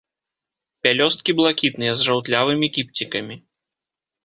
Пялёсткі блакітныя, з жаўтлявымі кіпцікамі.